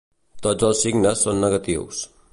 Tots els signes són negatius.